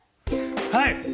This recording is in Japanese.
はい！